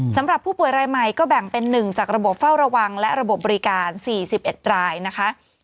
สำหรับผู้ป่วยรายใหม่ก็แบ่งเป็น๑จากระบบเฝ้าระวังและระบบบบริการ๔๑รายนะคะ